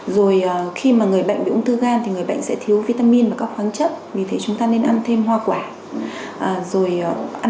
rồi khi mà người bệnh bị ung thư gan thì người bệnh sẽ thiếu vitamin và các khoáng chất vì thế chúng ta nên ăn thêm hoa quả rồi ăn